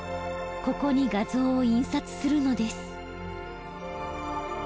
ここに画像を印刷するのです。